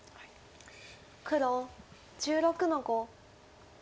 黒１６の五。